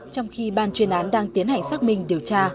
trong khi ban chuyên án đang tiến hành xác minh điều tra